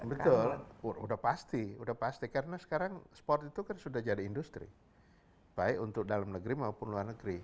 betul sudah pasti sudah pasti karena sekarang sport itu kan sudah jadi industri baik untuk dalam negeri maupun luar negeri